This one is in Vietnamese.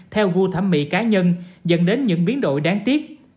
theo gu thẩm mỹ cá nhân dẫn đến những biến đổi đáng tiếc